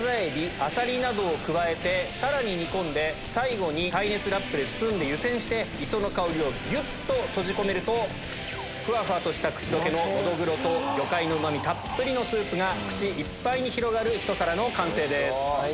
さらに煮込んで最後に耐熱ラップで包んで湯煎して磯の香りをギュっと閉じ込めるとふわふわとした口溶けのノドグロと魚介のうまみたっぷりのスープが口いっぱいに広がるひと皿の完成です。